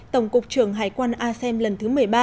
tổng cục trưởng hải quan asem lần thứ một mươi ba